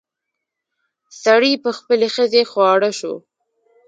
سړي په خپلې ښځې خواړه شو.